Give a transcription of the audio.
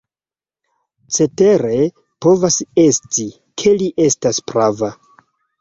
Cetere povas esti, ke li estas prava.